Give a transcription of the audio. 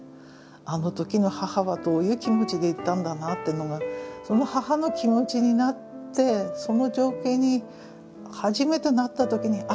あの時の母はどういう気持ちで言ったんだなってのがその母の気持ちになってその情景に初めてなった時にあ